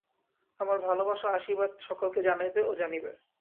আমার ভালবাসা ও আশীর্বাদ সকলকে জানাইবে ও জানিবে।